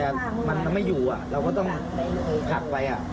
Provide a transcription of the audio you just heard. แว่มันไม่อยู่เราก็จะถักไว้